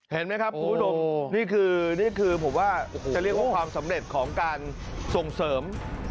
เห็นไหมครับคุณผู้ชมนี่คือนี่คือผมว่าจะเรียกว่าความสำเร็จของการส่งเสริม